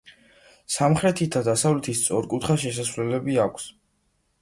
სამხრეთით და დასავლეთით სწორკუთხა შესასვლელები აქვს.